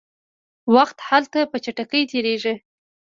وخت هلته په چټکۍ تیریږي.